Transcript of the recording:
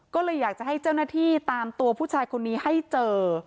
ก็เลยอยากจะให้เจ้าหน้าที่ตามตัวผู้ชายคนนี้ให้เจอ